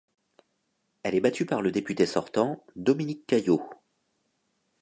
Elle est battue par le député sortant, Dominique Caillaud.